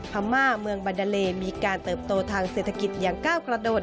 พม่าเมืองบรรดาเลมีการเติบโตทางเศรษฐกิจอย่างก้าวกระโดด